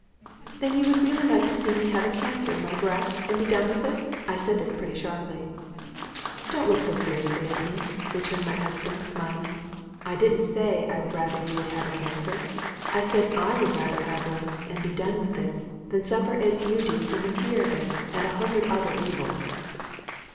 "Then you would really like to see me have a cancer in my breast, and be done with it?" I said this pretty sharply. "Don't look so fiercely at me," returned my husband, smiling. "I didn't say I would rather you would have a cancer; I said I would rather have one, and be done with it, than suffer as you do from the fear of it, and a hundred other evils."